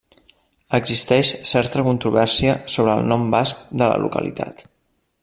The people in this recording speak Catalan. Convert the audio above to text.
Existeix certa controvèrsia sobre el nom basc de la localitat.